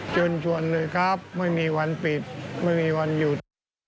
เชิญชวนเลยครับไม่มีวันปิดไม่มีวันหยุด